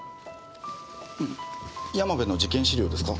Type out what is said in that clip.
山部の事件資料ですか？